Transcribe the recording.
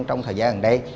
trong thời gian gần đây